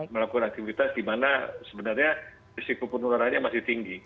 melakukan aktivitas di mana sebenarnya risiko penularannya masih tinggi